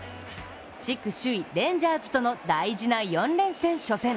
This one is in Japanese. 地区首位・レンジャーズとの大事な４連戦初戦。